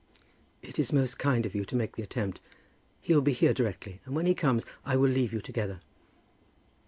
"It is most kind of you to make the attempt. He will be here directly, and when he comes I will leave you together."